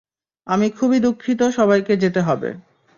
আমি খুবই দুঃখিত সবাইকে যেতে হবে।